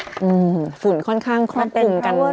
อืมฝุ่นค่อนข้างค่อนปลุงกัน